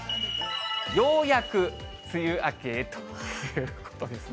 ようやく梅雨明けへということですね。